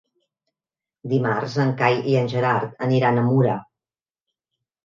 Dimarts en Cai i en Gerard aniran a Mura.